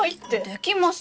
できます。